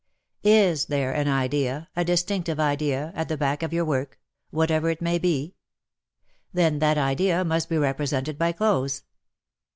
Is there an Idea, a distinctive Idea, at the back of your work — whatever it may be ?— then that Idea must be represented by clothes.